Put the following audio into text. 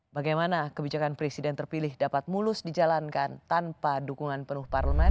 bagaimana kebijakan presiden terpilih dapat mulus dijalankan tanpa dukungan penuh parlemen